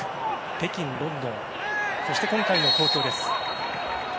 北京、ロンドンそして今回の東京です。